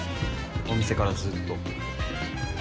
お店からずっと。